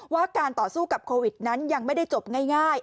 ว่าการต่อสู้กับโควิดนั้นยังไม่ได้จบง่าย